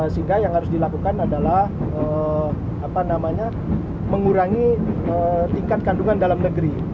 sehingga yang harus dilakukan adalah mengurangi tingkat kandungan dalam negeri